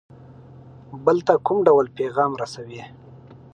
بل ته کوم ډول پیغام رسوي.